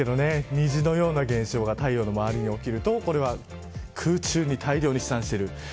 虹のような現象が太陽の周りで起きるとこれが空中に大量に飛散している。